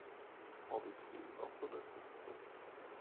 Har vi stolar så att det räcker?